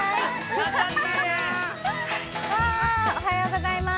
わあおはようございます。